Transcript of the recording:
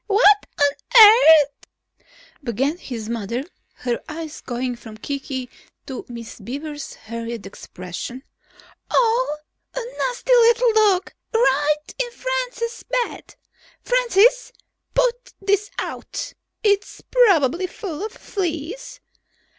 "What on earth ..." began his mother, her eyes going from Kiki to Miss Beaver's harried expression. "Oh! A nasty little dog right in Francis's bed! Francis, push it out! It's probably full of fleas.